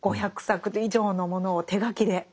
５００作以上のものを手書きで。